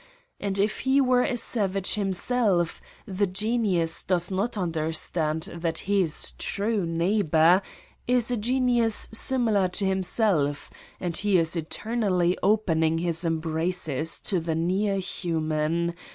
As if he were a savage himself, the genius does not understand that his true neighbor is a genius similar to himself and he is eternally open ing his embraces to the near human